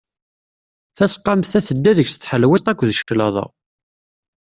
Tasqamt-a tedda deg-s tḥelwiḍt akked claḍa.